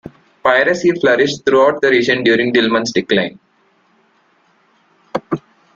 Piracy flourished throughout the region during Dilmun's decline.